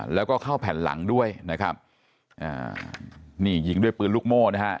แล้วก็เข้าแผ่นหลังด้วยนะครับอ่านี่ยิงด้วยปืนลูกโม่นะฮะ